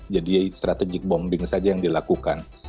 jadi strategik bombing saja yang dilakukan